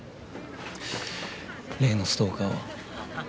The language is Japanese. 例のストーカーは？